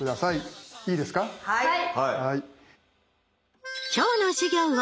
はい。